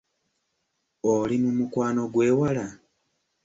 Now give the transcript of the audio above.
Oli mu mukwano gw'ewala?